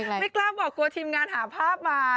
ไม่กล้าบอกกลัวทีมงานหาภาพมา